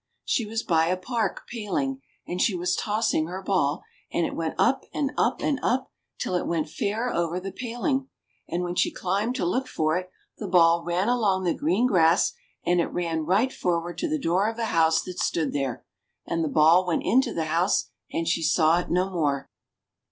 She was by a park paling, and she was tossing her ball, and it went up, and up, and up, till it went fair over 112 ENGLISH FAIRY TALES the paling ; and when she cHmbed to look for it, the ball ran along the green grass, and it ran right forward to the door of a house that stood there, and the ball went into the house and she saw it no more.